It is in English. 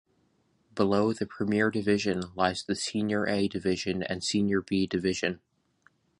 Below the Premier Division lies the Senior A Division and Senior B Division.